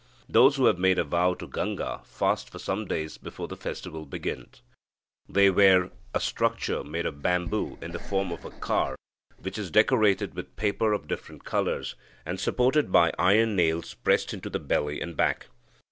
Those who have made a vow to Ganga fast for some days before the festival begins. They wear a structure made of bamboo in the form of a car, which is decorated with paper of different colours, and supported by iron nails pressed into the belly and back.